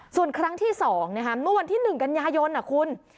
ส่วนครั้งที่๒เมื่อวันที่๑กันยายนคุณ